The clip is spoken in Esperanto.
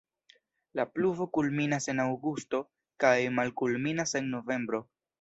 La pluvo kulminas en aŭgusto kaj malkulminas en novembro.